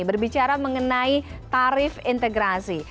berbicara mengenai tarif integrasi